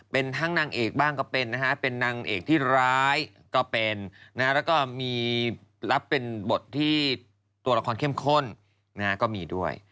เป็นทั้งนางเอกบ้างก็เป็นนะฮะเป็นนางเอกที่ร้ายก็เป็นแล้วก็มีรับเป็นบทที่ตัวละครเข้มข้นก็มีด้วย